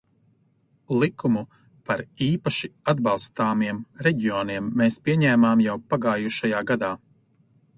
Likumu par īpaši atbalstāmiem reģioniem mēs pieņēmām jau pagājušajā gadā.